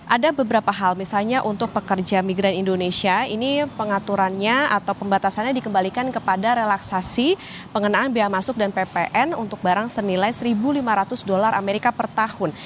ada beberapa hal misalnya untuk pekerja migran indonesia ini pengaturannya atau pembatasannya dikembalikan kepada relaksasi pengenaan biaya masuk dan ppn untuk barang senilai satu lima ratus dolar amerika per tahun